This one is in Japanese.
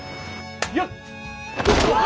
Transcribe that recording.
よっ。